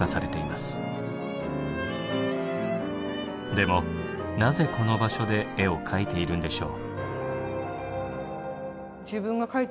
でもなぜこの場所で絵を描いているんでしょう？